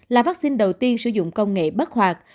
là vaccine đầu tiên sử dụng công nghệ bắt hoạt